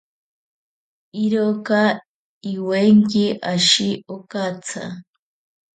Iroka iwenki ashi okatsa.